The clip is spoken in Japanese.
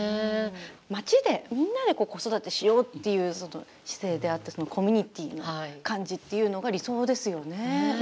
町でみんなで子育てしようっていう姿勢であってコミュニティーの感じっていうのが理想ですよね。